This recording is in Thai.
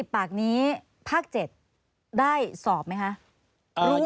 ปากนี้ภาค๗ได้สอบไหมคะ